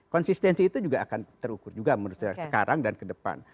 konsistensi itu juga akan terukur juga menurut saya sekarang dan ke depan